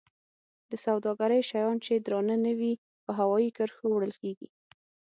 د سوداګرۍ شیان چې درانه نه وي په هوایي کرښو وړل کیږي.